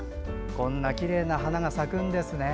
こんなきれいな花が咲くんですね。